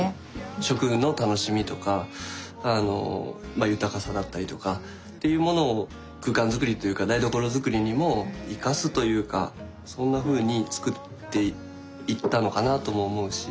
食の楽しみとか豊かさだったりとかっていうものを空間づくりというか台所づくりにも生かすというかそんなふうにつくっていったのかなとも思うし。